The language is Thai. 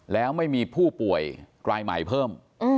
แล้วไม่มีผู้ป่วยรายใหม่เพิ่ม